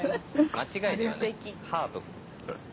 間違いではない。